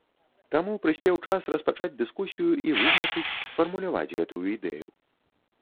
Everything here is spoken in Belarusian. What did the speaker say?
Таму прыспеў час распачаць дыскусію і вызначыць, сфармуляваць гэтую ідэю.